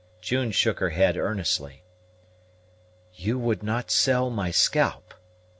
June shook her head earnestly. "You would not sell my scalp?"